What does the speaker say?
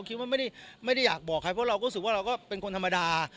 คิดว่าไม่ได้อยากบอกใครเพราะเราก็รู้สึกว่าเราก็เป็นคนธรรมดา